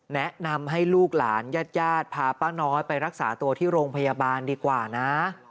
แนะนำให้ลูกหลานญาติญาติพาป้าน้อยไปรักษาตัวที่โรงพยาบาลดีกว่านะ